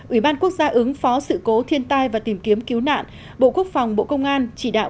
ủy ban quốc gia ứng phó sự cố thiên tai và tìm kiếm cứu nạn bộ quốc phòng bộ công an chỉ đạo